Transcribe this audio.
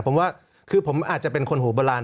ผมว่าคือผมอาจจะเป็นคนหูโบราณ